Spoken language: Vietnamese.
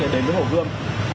để đến với hồ gươm